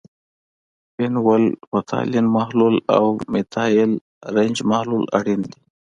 فینول فتالین محلول او میتایل ارنج محلول اړین دي.